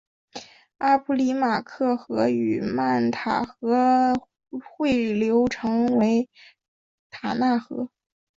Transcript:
阿普里马克河与曼塔罗河汇流成为埃纳河。